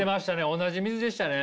同じ水でしたね。